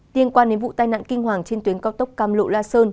tiên quan đến vụ tai nạn kinh hoàng trên tuyến cao tốc càm lộ la sơn